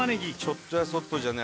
ちょっとやそっとじゃね